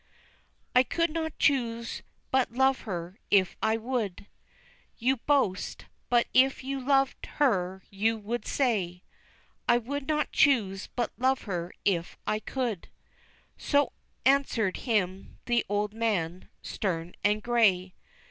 "I could not choose but love her if I would" You boast, but if you loved her you would say, "I would not choose but love her if I could," So answered him the old man, stern and gray.